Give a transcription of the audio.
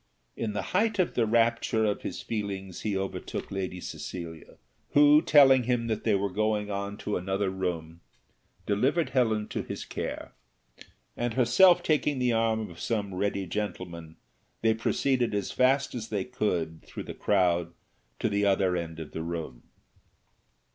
In the height of the rapture of his feelings he overtook Lady Cecilia, who telling him that they were going on to another room, delivered Helen to his care, and herself taking the arm of some ready gentleman, they proceeded as fast as they could through the crowd to the, other end of the room.